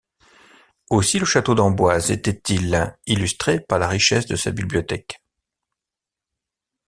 Aussi le château d'Amboise était-il illustré par la richesse de sa bibliothèque.